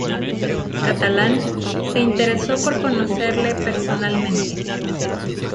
Catalán, se interesó por conocerle personalmente.